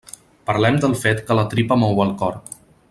Parlem del fet que la tripa mou el cor.